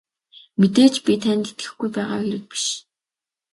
Мэдээж би танд итгэхгүй байгаа хэрэг биш.